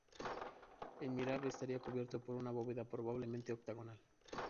El mihrab estaría cubierto por una bóveda probablemente octogonal.